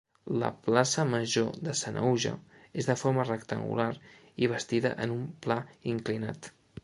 La plaça Major de Sanaüja és de forma rectangular i bastida en un pla inclinat.